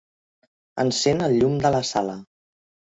Encén el llum de la sala.